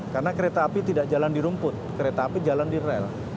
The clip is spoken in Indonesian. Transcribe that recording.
karena kereta api tidak jalan di rumput kereta api jalan di rel